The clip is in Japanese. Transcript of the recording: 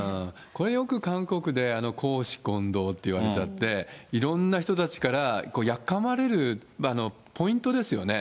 これよく韓国で公私混同っていわれちゃって、いろんな人たちから、やっかまれるポイントですよね。